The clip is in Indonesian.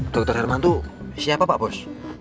dokter herman itu siapa pak pos